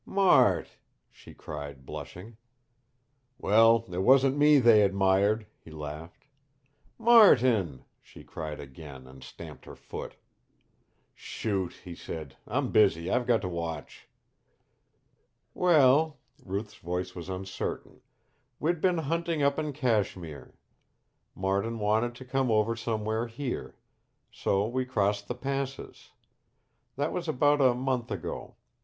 "Mart!" she cried, blushing. "Well it wasn't ME they admired," he laughed. "Martin!" she cried again, and stamped her foot. "Shoot," he said. "I'm busy. I've got to watch." "Well" Ruth's voice was uncertain "we'd been hunting up in Kashmir. Martin wanted to come over somewhere here. So we crossed the passes. That was about a month ago.